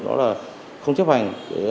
đó là không chấp hành